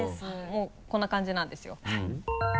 もうこんな感じなんですよ。